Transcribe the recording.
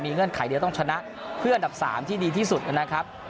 เงื่อนไขเดียวต้องชนะเพื่ออันดับ๓ที่ดีที่สุดนะครับ